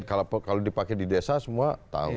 kalau dipakai di desa semua tahu